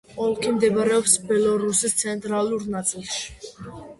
ოლქი მდებარეობს ბელორუსის ცენტრალურ ნაწილში.